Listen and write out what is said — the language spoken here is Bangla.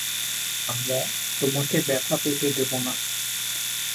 আমরা তোমাকে ব্যথা পেতে দেব না।